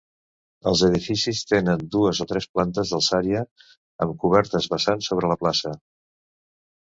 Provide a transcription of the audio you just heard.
Els edificis tenen dues o tres plantes d'alçària amb cobertes vessants sobre la plaça.